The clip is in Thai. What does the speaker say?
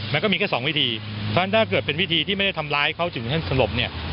มันก็มีแค่สองวิธีเพราะฉะนั้นถ้าเกิดเป็นวิธีที่ไม่ได้ทำร้ายเขาถึงขั้นสลบเนี่ย